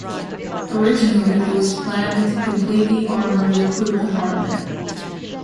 Originally, it was planned to completely armour the crew compartment.